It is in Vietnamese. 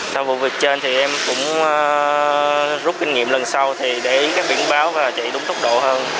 sau vụ việc trên thì em cũng rút kinh nghiệm lần sau thì để ý các biển báo và chạy đúng tốc độ hơn